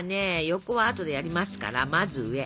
横はあとでやりますからまず上。